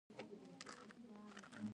غریب له هر څه نه منندوی وي